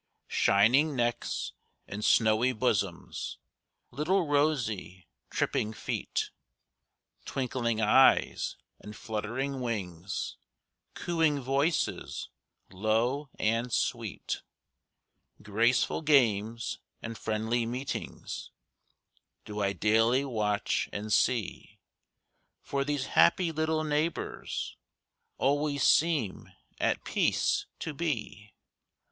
Shining necks and snowy bosoms, Little rosy, tripping feet, Twinkling eyes and fluttering wings, Cooing voices, low and sweet, Graceful games and friendly meetings, Do I daily watch and see. For these happy little neighbors Always seem at peace to be.